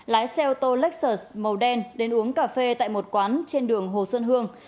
lái xe ô tô lekers màu đen đến uống cà phê tại một quán trên đường hồ xuân hương